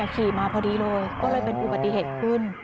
ขี่มาพอดีเลยก็เลยเป็นอุบัติเหตุขึ้น